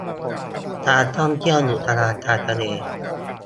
การท่องเที่ยวอุทยานทางทะเล